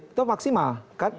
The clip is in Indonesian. itu maksimal kan